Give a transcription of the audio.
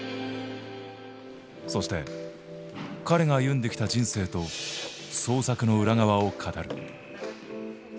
そして彼が歩んできた人生と創作の裏側を語る。